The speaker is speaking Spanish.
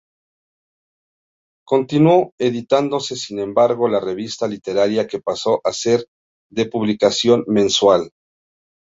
Continuó editándose sin embargo la revista literaria que pasó a ser de publicación mensual.